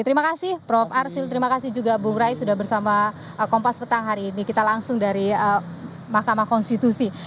terima kasih prof arsil terima kasih juga bung rai sudah bersama kompas petang hari ini kita langsung dari mahkamah konstitusi